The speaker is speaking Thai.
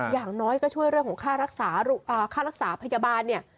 อย่างน้อยก็ช่วยเรื่องของค่ารักษาค่ารักษาพยาบาลเนี่ย